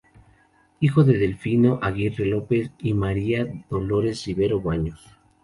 Hijo de Delfino Aguirre López y de María Dolores Rivero Baños.